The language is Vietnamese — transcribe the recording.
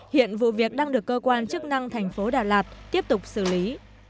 hiện vụ việc đang được cơ quan chức năng tp đà lạt tiếp tục xử lý